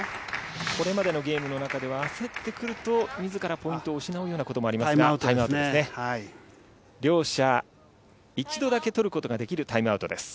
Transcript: これまでのゲームの中では、焦ってくると、みずからポイントを失うようなこともありましたが、タイムアウトですね。